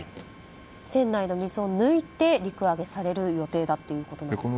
船内の水を抜いて陸揚げされる予定だということです。